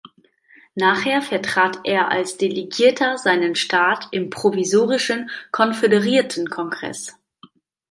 Nachher vertrat er als Delegierter seinen Staat im Provisorischen Konföderiertenkongress.